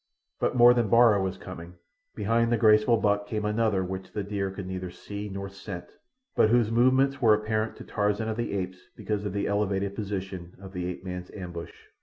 But more than Bara was coming. Behind the graceful buck came another which the deer could neither see nor scent, but whose movements were apparent to Tarzan of the Apes because of the elevated position of the ape man's ambush.